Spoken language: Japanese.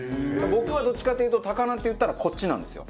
僕はどっちかというと高菜っていったらこっちなんですよ。